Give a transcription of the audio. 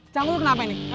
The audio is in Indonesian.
jangan dulu kenapa nih